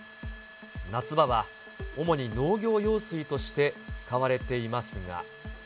夏場は主に農業用水として使われていますが。